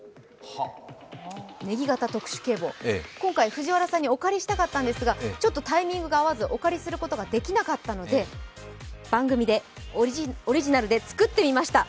ネギ型特殊警棒、今回藤原さんにお借りしたかったんですが、タイミングが合わずお借りすることができなかったので番組でオリジナルで作ってみました。